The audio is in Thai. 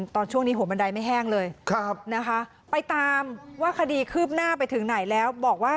ตอนช่วงนี้หัวบันไดไม่แห้งเลยนะคะไปตามว่าคดีคืบหน้าไปถึงไหนแล้วบอกว่า